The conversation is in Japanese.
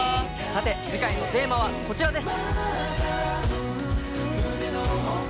さて次回のテーマはこちらです。